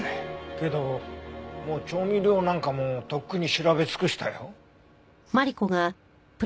けどもう調味料なんかもとっくに調べ尽くしたよ。